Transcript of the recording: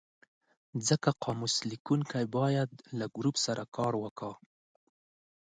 ځکه قاموس لیکونکی باید له ګروپ سره کار وکړي.